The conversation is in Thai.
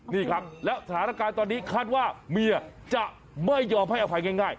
นี่ครับแล้วสถานการณ์ตอนนี้คาดว่าเมียจะไม่ยอมให้อภัยง่าย